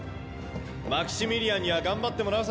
マクシミリアンには頑張ってもらうさ。